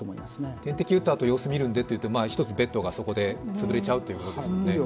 点滴を打ったあと様子を見るんでというと一つベッドがそこで潰れちゃうということですもんね。